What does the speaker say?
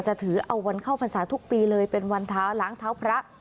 ถือเอาวันเข้าพรรษาทุกปีเลยเป็นวันเท้าล้างเท้าพระ